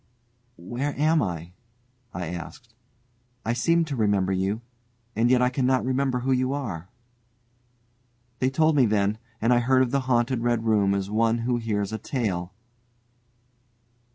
"Where am I?" I asked; "I seem to remember you, and yet I cannot remember who you are." They told me then, and I heard of the haunted Red Room as one who hears a tale.